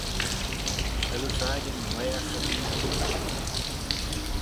Vel oo fakin mwaagh erbee mygeayrt?